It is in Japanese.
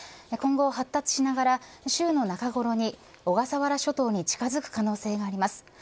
今後、発達しながら週の中ごろに小笠原諸島に近づく可能性があります。